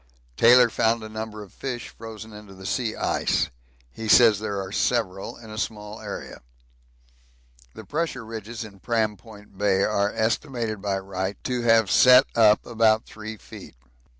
Taylor found a number of fish frozen into the sea ice he says there are several in a small area. The pressure ridges in Pram Point Bay are estimated by Wright to have set up about 3 feet.